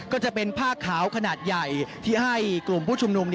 ก็จะเป็นผ้าขาวขนาดใหญ่ที่ให้กลุ่มผู้ชุมนุม